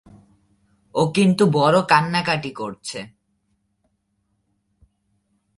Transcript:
ও কিন্তু বড়ো কান্নাকাটি করছে।